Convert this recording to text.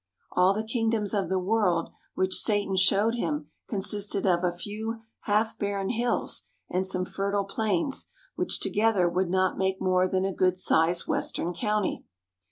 "All the kingdoms of the world" which Satan showed him consisted of a few half barren hills and some fertile plains, which together would not make more than a good sized Western county.